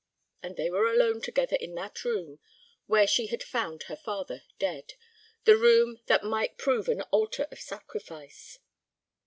And they were alone together in that room where she had found her father dead—the room that might prove an altar of sacrifice.